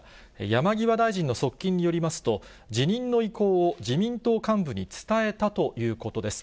山際大臣の側近によりますと、辞任の意向を自民党幹部に伝えたということです。